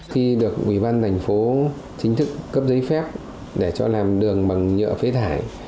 khi được ủy ban thành phố chính thức cấp giấy phép để cho làm đường bằng nhựa phế thải